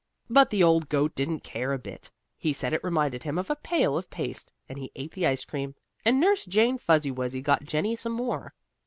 But the old goat didn't care a bit. He said it reminded him of a pail of paste, and he ate the ice cream, and Nurse Jane Fuzzy Wuzzy got Jennie some more.